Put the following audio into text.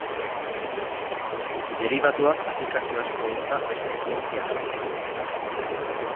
Deribatuak aplikazio asko dauzka beste zientzia askotan.